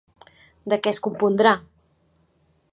De què es compondrà?